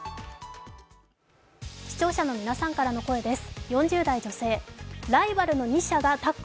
視聴者の皆さんからの声です。